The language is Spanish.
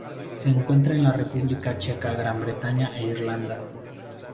Se encuentra en República Checa Gran Bretaña e Irlanda